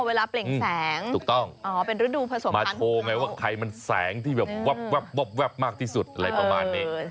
เวลาเปล่งแสงถูกต้องมาโทรไงว่าใครมันแสงที่แบบมากที่สุดอะไรประมาณนี้